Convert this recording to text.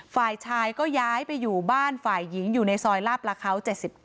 ฝ่ายชายก็ย้ายไปอยู่บ้านฝ่ายหญิงอยู่ในซอยลาบประเขา๗๙